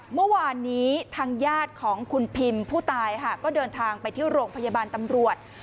เมื่อวานนี้ทางญาติของคุณพิมผู้ตายค่ะก็เดินทางไปที่โรงพยาบาลตำรวจ